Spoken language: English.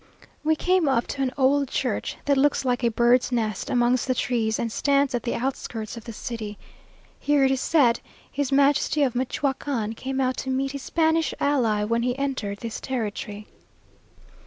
We came up to an old church, that looks like a bird's nest amongst the trees, and stands at the outskirts of the city. Here, it is said, his Majesty of Michoacán came out to meet his Spanish ally, when he entered this territory.